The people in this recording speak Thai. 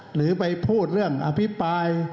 หรือไปพูดเรื่องอภิปราย